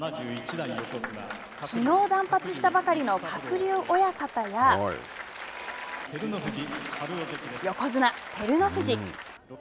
きのう断髪したばかりの鶴竜親方や横綱・照ノ富士。